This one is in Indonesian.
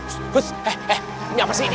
eh eh ini apa sih ini